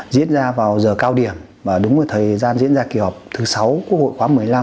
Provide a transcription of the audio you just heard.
diễn ra vào giờ cao điểm đúng thời gian diễn ra kỳ họp thứ sáu của hội khóa một mươi năm